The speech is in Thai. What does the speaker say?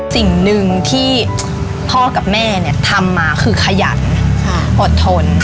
สิ่งหนึ่งที่พ่อกับแม่เนี่ยทำมาคือขยันอดทน